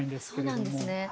そうなんですね。